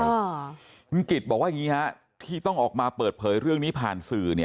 อ่าคุณกิจบอกว่าอย่างงี้ฮะที่ต้องออกมาเปิดเผยเรื่องนี้ผ่านสื่อเนี่ย